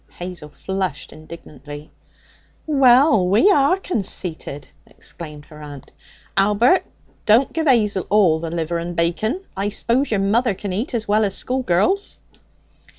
Hazel flushed indignantly. 'Well! we are conceited!' exclaimed her aunt. 'Albert, don't give 'Azel all the liver and bacon. I s'pose your mother can eat as well as schoolgirls?'